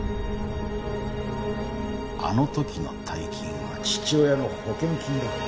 あの時の大金は父親の保険金だろう？